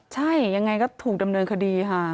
ใช่ยังไงก็ถูกดำเนินคดีค่ะ